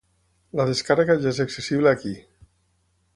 La descàrrega ja és accessible aquí.